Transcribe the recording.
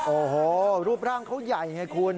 โอ้โหรูปร่างเขาใหญ่ไงคุณ